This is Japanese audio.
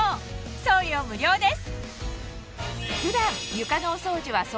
送料無料です！